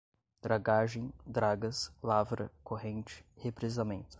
dragagem, dragas, lavra, corrente, represamento